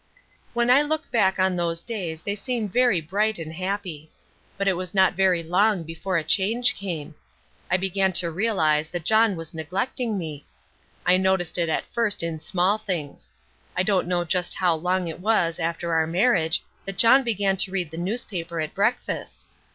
When I look back on those days they seem very bright and happy. But it was not very long before a change came. I began to realize that John was neglecting me. I noticed it at first in small things. I don't know just how long it was after our marriage that John began to read the newspaper at breakfast.